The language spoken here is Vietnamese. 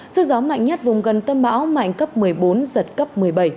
sức gió mạnh nhất vùng gần tâm bão mạnh cấp một mươi bốn giật cấp một mươi bảy